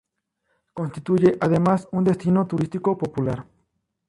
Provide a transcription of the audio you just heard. Constituye además un destino turístico popular.